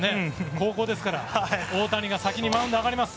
後攻ですから大谷が先にマウンドに上がります。